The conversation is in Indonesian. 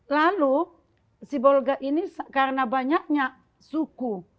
lalu sibolga ini karena banyaknya suku